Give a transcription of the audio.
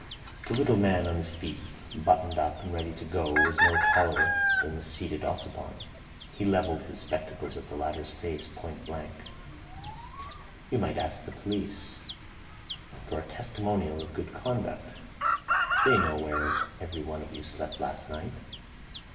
The little man on his feet, buttoned up and ready to go, was no taller than the seated Ossipon. He levelled his spectacles at the latter's face point blank. "You might ask the police for a testimonial of good conduct. They know where every one of you slept last night.